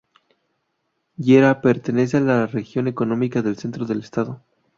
Llera pertenece a la región económica del centro del Estado.